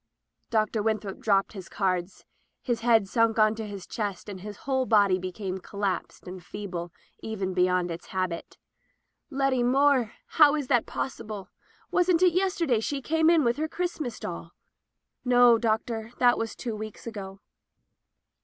Dr. Winthrop dropped his cards. His head sunk on his chest, his whole body became collapsed and feeble even beyond its habit. "Letty Moore! How is that possible? Wasn't it yesterday she came in with her Christmas doll?" "No, Doctor, that was two weeks ago.'